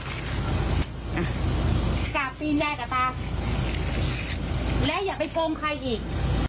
กราบตีนแยกกับตาและอย่าไปโปรงใครอีก